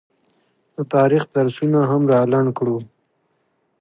د تاریخ درسونه هم رالنډ کړو